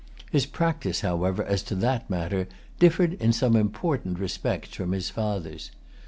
His practice, however, as to that matter, differed in some important respects from his father's.